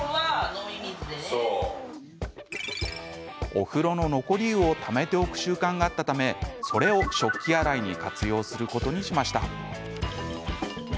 お風呂の残り湯をためておく習慣があったためそれを食器洗いに活用することにしました。